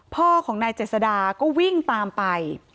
พ่อของนายเจษดาก็วิ่งตามไป